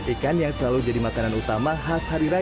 ikan yang selalu jadi makanan utama khas hari raya